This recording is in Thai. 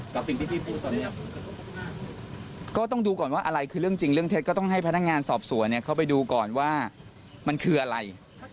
กับสิ่งที่พี่พูดตอนนี้ก็ต้องดูก่อนว่าอะไรคือเรื่องจริงเรื่องเท็จก็ต้องให้พนักงานสอบสวนเข้าไปดูก่อนว่ามันคืออะไร